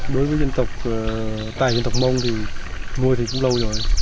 đối với dân tộc tài dân tộc mông thì nuôi thì cũng lâu rồi